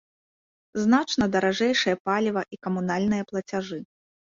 Значна даражэйшае паліва і камунальныя плацяжы.